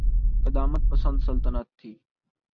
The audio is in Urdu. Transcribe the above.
قدامت پسند سلطنت تھی۔